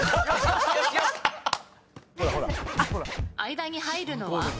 間に入るのは？